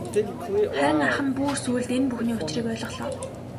Харин ах нь бүр сүүлд энэ бүхний учрыг ойлгодог.